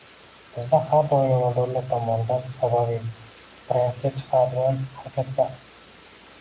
Bizda har doim amaldorlar tomonidan ommaviy trendga chiqadigan harakatlar